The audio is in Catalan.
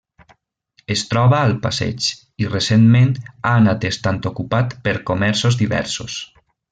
Es troba al Passeig, i recentment ha anat estant ocupat per comerços diversos.